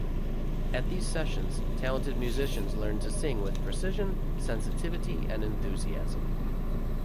At these sessions, talented musicians learned to sing with precision, sensitivity, and enthusiasm.